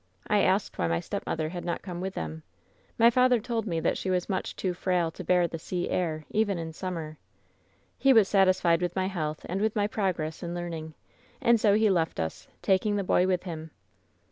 I asked why my stepmother had not come with them. My father told me that she was much too frail to bear the sea air even in summer. "He was satisfied with my health, and with my prog ress in learning, and so he left us, taking the boy with him.